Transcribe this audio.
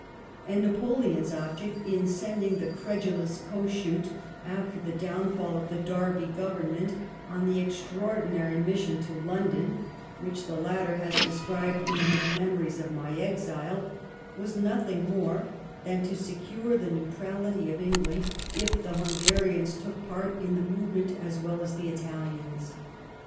And Napoleon's object in sending the credulous Kossuth, after the downfall of the Derby Cabinet, on the extra ordinary mission to London, which the latter has described in his Memories of My Exile^ was nothing more than to secure the neutrality of England if the Hungarians took part in the movement as well as the Italians.